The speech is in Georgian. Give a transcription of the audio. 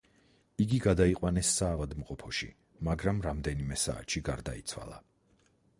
იგი გადაიყვანეს საავადმყოფოში, მაგრამ რამდენიმე საათში გარდაიცვალა.